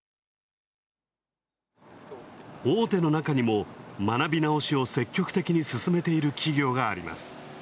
大手の中にも学び直しを積極的に進めている企業があります。